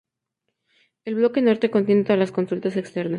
El bloque Norte contiene todas las consultas externas.